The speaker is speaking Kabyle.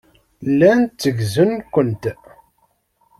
Llan tteggzen-kent.